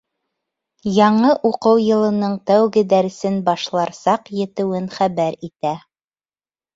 Яңы уҡыу йылының тәүге дәресен башлар саҡ етеүен хәбәр итә.